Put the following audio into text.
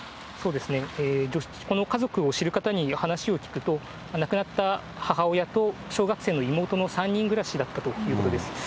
この家族を知る方に話を聞くと、亡くなった母親と小学生の妹の３人暮らしだったということです。